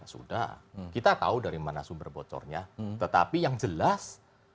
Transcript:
sudah kita tahu dari mana sumber bocornya tetapi yang jelas